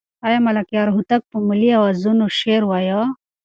آیا ملکیار هوتک په ملي اوزانو شعر وایه؟